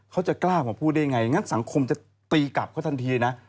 เขาจะกล้ามาพูดได้ไงงั้นสังคมจะตีกลับเขาทันทีนะ